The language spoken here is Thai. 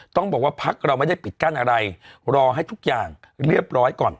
ต้องบอกว่าพักเราไม่ได้ปิดกั้นอะไรรอให้ทุกอย่างเรียบร้อยก่อน